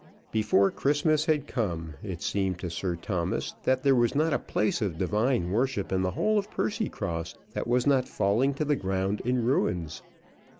Before Christmas had come, it seemed to Sir Thomas that there was not a place of divine worship in the whole of Percycross that was not falling to the ground in ruins.